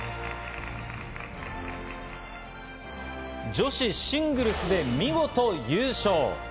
女子シングルスで見事優勝。